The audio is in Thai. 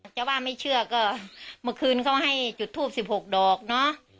จะว่าไม่เชื่อก็เมื่อคืนเขาให้จุดทูป๑๖ดอกเนอะ